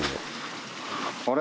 あれ？